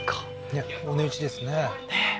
ねえお値打ちですね